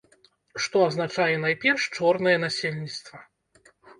Што азначае найперш чорнае насельніцтва.